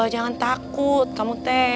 jangan takut kamu t